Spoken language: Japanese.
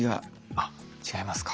あっ違いますか？